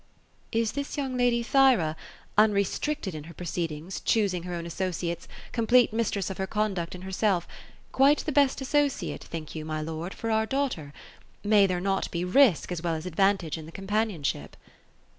''^'^ Is this young lady Thyra, — unrestricted in her proceedings, choosing her own associates, complete mistress of her conduct and herself. — quite the best associate, think you, my lord, for our daughter? May there not be risk as well as advantage in the companionship?"